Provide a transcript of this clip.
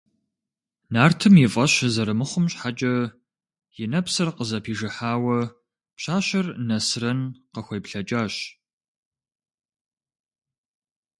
Нартым и фӀэщ зэрымыхъум щхьэкӀэ и нэпсыр къызэпижыхьауэ пщащэр Нэсрэн къыхуеплъэкӀащ.